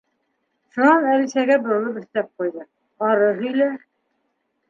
Шунан Әлисәгә боролоп, өҫтәп ҡуйҙы: —Ары һөйлә.